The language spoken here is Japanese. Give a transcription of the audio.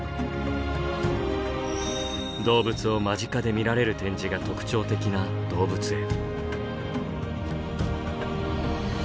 動物を間近で見られる展示が特徴的な動物園。